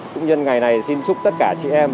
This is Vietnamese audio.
cũng nhân ngày này xin chúc tất cả chị em